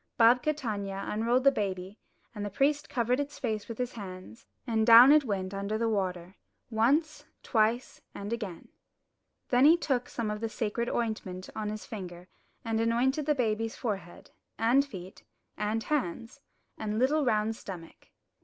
Babka Tanya unrolled the baby, and the priest covered its face with his hand, and down it went under the water, once, twice, and again. Then he took some of the sacred ointment on his finger and anointed the baby's forehead, and feet, and hands, and little round stomach.